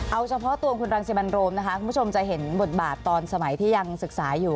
เอาเฉพาะตัวคุณรังสิมันโรมนะคะคุณผู้ชมจะเห็นบทบาทตอนสมัยที่ยังศึกษาอยู่